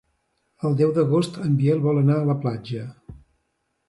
El deu d'agost en Biel vol anar a la platja.